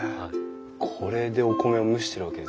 これでお米を蒸してるわけですね。